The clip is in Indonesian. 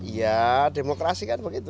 ya demokrasi kan begitu